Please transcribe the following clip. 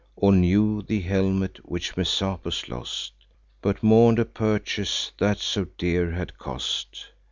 All knew the helmet which Messapus lost, But mourn'd a purchase that so dear had cost.